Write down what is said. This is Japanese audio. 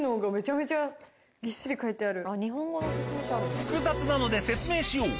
複雑なので説明しよう！